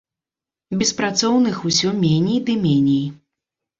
Беспрацоўных усё меней ды меней.